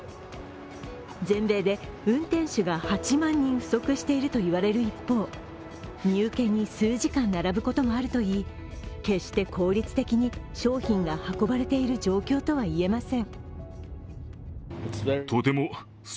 全米で運転手が８万人不足しているといわれる一方、荷受けに数時間、並ぶこともあるといい決して効率的に商品が運ばれている状況とは言えません。